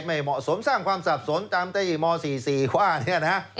ไม่เหมาะสมสร้างความสับสนจำเตอีม๔๔ว่านี่ครับนะ